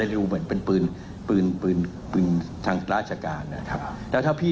ดูเหมือนเป็นปืนปืนปืนทางราชการนะครับแล้วถ้าพี่